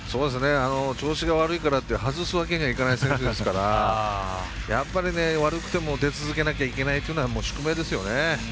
調子が悪いからって外すわけにはいかない選手ですからやっぱり悪くても出続けなきゃいけないというのは宿命ですよね。